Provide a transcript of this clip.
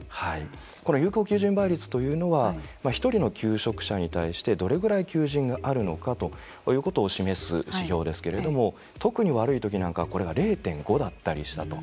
有効求人倍率というのは１人の求職者に対してどれぐらい求人があるのかということを示す指標ですけれども特に悪い時なんかはこれが０．５だったりしたと。